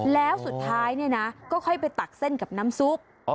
แล้วสุดท้ายเนี่ยนะก็ค่อยไปตักเส้นกับน้ำซุป